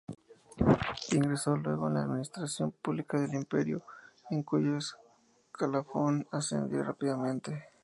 Ingresó luego en la Administración Pública del imperio, en cuyo escalafón ascendió rápidamente.